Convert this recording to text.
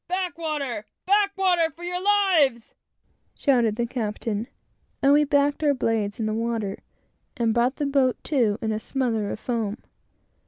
"Back water! back water, for your lives!" shouted the captain; and we backed our blades in the water and brought the boat to in a smother of foam.